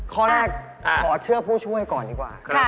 ข้อแรกขอเชื่อผู้ช่วยก่อนดีกว่า